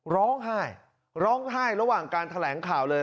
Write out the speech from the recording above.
ร้องไห้ร้องไห้ระหว่างการแถลงข่าวเลย